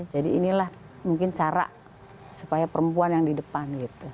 jadi inilah mungkin cara supaya perempuan yang di depan gitu